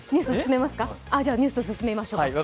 ではニュースを進めましょう。